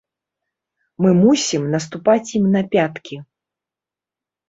Мы мусім наступаць ім на пяткі.